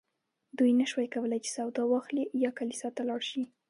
دوی نه شوای کولی چې سودا واخلي یا کلیسا ته لاړ شي.